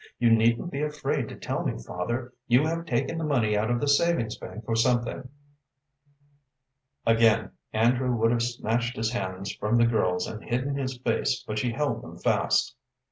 "You needn't be afraid to tell me, father. You have taken the money out of the savings bank for something." Again Andrew would have snatched his hands from the girl's and hidden his face, but she held them fast.